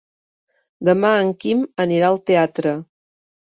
Demà en Quim anirà al teatre.